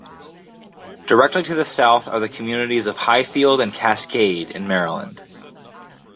Directly to the south are the communities of Highfield and Cascade in Maryland.